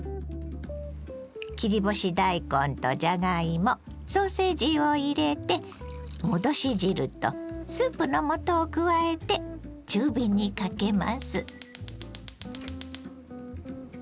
切り干し大根とじゃがいもソーセージを入れて戻し汁とスープの素を加えて中火にかけます。